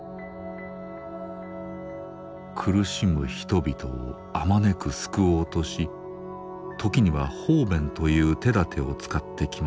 苦しむ人々をあまねく救おうとし時には方便という手立てを使ってきました。